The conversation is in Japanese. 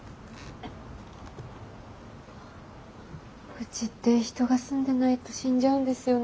うちって人が住んでないと死んじゃうんですよね。